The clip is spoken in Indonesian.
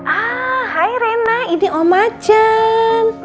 ah hai rena ini om macem